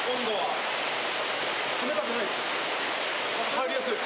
入りやすい。